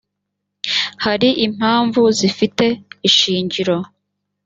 hari impamvu zifite ishingiro